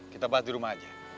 kita bahas di rumah aja